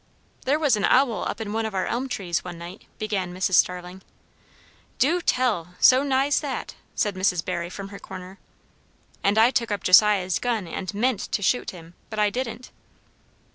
"There was an owl up in one of our elm trees one night," began Mrs. Starling. "Du tell! so nigh's that!" said Mrs. Barry from her corner. " And I took up Josiah's gun and meant to shoot him; but I didn't."